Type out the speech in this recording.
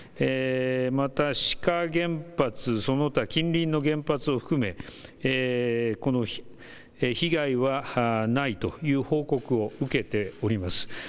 また志賀原発、その他近隣の原発を含め被害はないという報告を受けております。